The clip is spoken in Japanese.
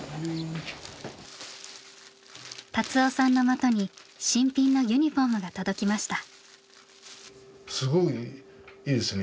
達夫さんのもとに新品のユニフォームが届きました。